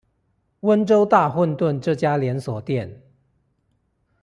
溫州大混飩這家連鎖店